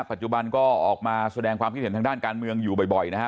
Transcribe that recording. ปัจจุบันก็ออกมาแสดงความคิดเห็นทางด้านการเมืองอยู่บ่อยนะฮะ